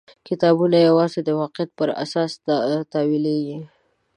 کتابونه یوازې د واقعیت پر اساس تاویلېږي.